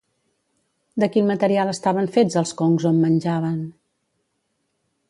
De quin material estaven fets els concs on menjaven?